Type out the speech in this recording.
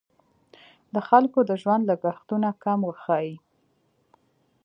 د خلکو د ژوند لګښتونه کم وښیي.